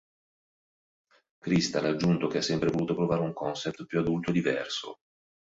Krystal ha aggiunto che ha sempre voluto provare un concept più "adulto" e "diverso".